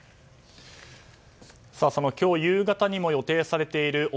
夕方にも予定されている